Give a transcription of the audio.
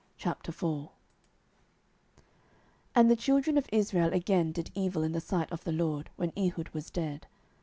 07:004:001 And the children of Israel again did evil in the sight of the LORD, when Ehud was dead.